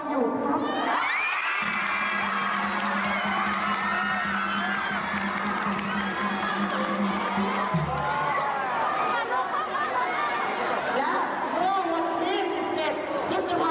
คุณคุณให้หาไปว่าสนามหรือมิตรการที่กำลังตอบบ้านอยู่จะเสร็จด้วยอะไร